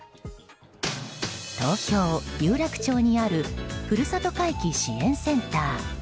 東京・有楽町にあるふるさと回帰支援センター。